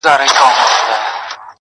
• مکتب د میني محبت ومه زه,